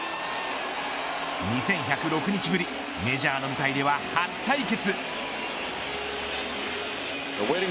２１０６日ぶりメジャーの舞台では初対決。